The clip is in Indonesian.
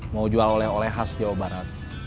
mau jual oleh oleh khas jawa barat